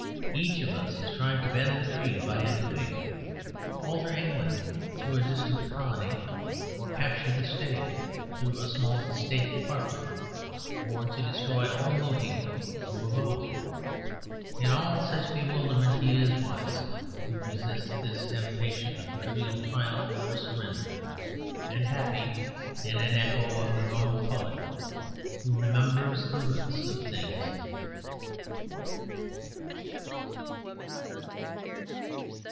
Each of us is trying to bend the tree by a twig: to alter England through a distant colony, or to capture the State through a small State department, or to destroy all voting through a vote. In all such bewilderment he is wise who resists this temptation of trivial triumph or surrender, and happy (in an echo of the Roman poet) who remembers the roots of things.